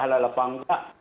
halal apa enggak